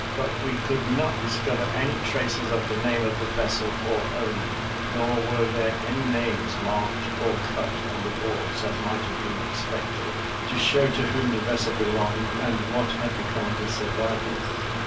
But we could not discover any traces of the name of the vessel or owner; nor were there any names marked or cut on the boards, as might have been expected, to show to whom the vessel belonged, and what had become of the survivors.